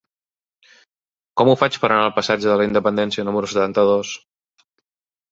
Com ho faig per anar al passatge de la Independència número setanta-dos?